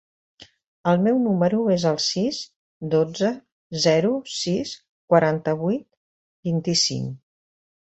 El meu número es el sis, dotze, zero, sis, quaranta-vuit, vint-i-cinc.